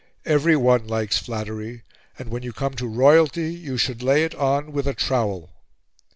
Everyone likes flattery, and when you come to royalty you should lay it on with a trowel."